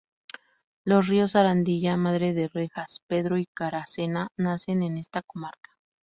Los ríos Arandilla, Madre de Rejas, Pedro y Caracena nacen en esta comarca.